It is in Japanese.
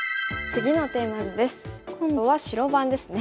今度は白番ですね。